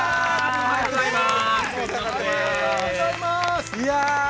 おはようございます。